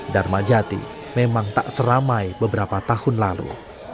dharmajati memang tak seramai beberapa tahun lalu